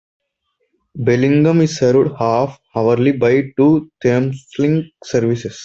Bellingham is served half-hourly by to Thameslink services.